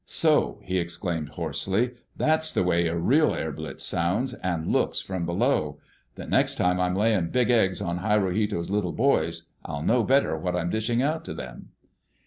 "So," he exclaimed hoarsely, "that's the way a real air blitz sounds and looks from below! The next time I'm laying big eggs on Hirohito's little boys, I'll know better what I'm dishing out to them!"